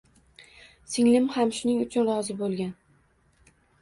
Singlim ham shuning uchun rozi bo`lgan